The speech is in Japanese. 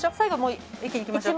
一気にいきましょう。